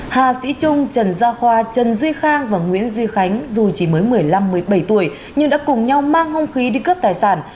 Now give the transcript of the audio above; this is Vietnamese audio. hà sĩ trung trần gia khoa trần duy khang và nguyễn duy khánh dù chỉ mới một mươi năm một mươi bảy tuổi nhưng đã cùng nhau mang hông khí đi cướp tài sản